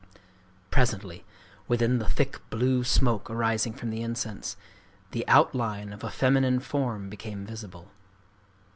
Presently, within the thick blue smoke arising from the incense, the outline, of a feminine form became visible.